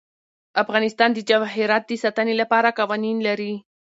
افغانستان د جواهرات د ساتنې لپاره قوانین لري.